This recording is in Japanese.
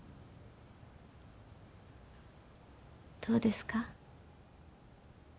どうですか？